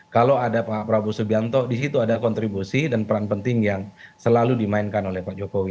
kalau ada pak prabowo subianto di situ ada kontribusi dan peran penting yang selalu dimainkan oleh pak jokowi